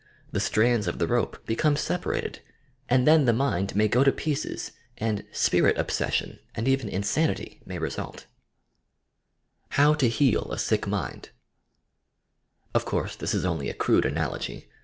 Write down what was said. The "strands" of the rope become separated, and then the mind may go to pieces and "apirit obsession" and e may result. HOW TO HEAL A SICK MIND Of course this is only a crude analogy.